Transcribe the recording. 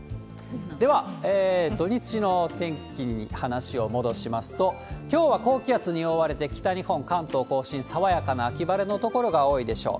では、土日の天気、話を戻しますと、きょうは高気圧に覆われて、北日本、関東甲信、爽やかな秋晴れの所が多いでしょう。